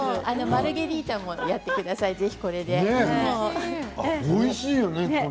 マルゲリータもやってください、ぜひこれで。